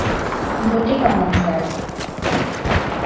গতি কমান, স্যার!